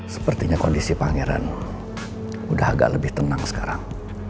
sepertinya kondisi pangeran udah agak lebih tenang sekarang